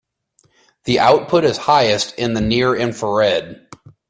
The output is highest in the near infrared.